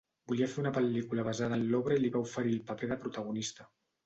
Volia fer una pel·lícula basada en l'obra i li va oferir el paper de protagonista.